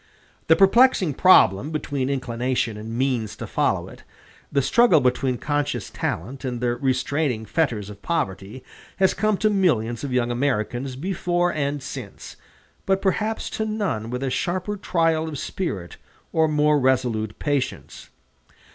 The perplexing problem between inclination and means to follow it, the struggle between conscious talent and the restraining fetters of poverty, has come to millions of young Americans before and since, but perhaps to none with a sharper trial of spirit or more resolute patience.